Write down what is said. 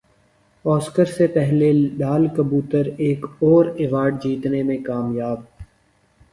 Oscar سے پہلے لال کبوتر ایک اور ایوارڈ جیتنے میں کامیاب